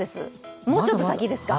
もうちょっと先ですか。